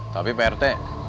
tapi pak rt